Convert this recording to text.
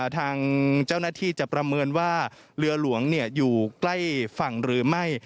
ทางเจ้าหน้าที่จะประเมินว่าเรือหลวงอยู่ใกล้ฝั่งหรือไม่